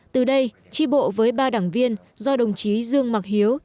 từ đây tri bộ với ba đảng viên do đồng chí dương mạc hiếu